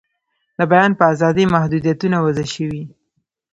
د بیان په آزادۍ محدویتونه وضع شوي.